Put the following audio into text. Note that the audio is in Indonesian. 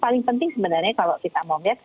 paling penting sebenarnya kalau kita mau lihat